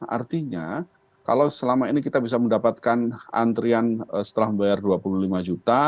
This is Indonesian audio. artinya kalau selama ini kita bisa mendapatkan antrian setelah membayar dua puluh lima juta